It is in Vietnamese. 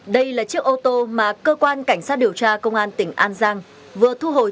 đây là chiếc ô tô mà cơ quan cảnh sát điều tra công an tỉnh an giang vừa thu hồi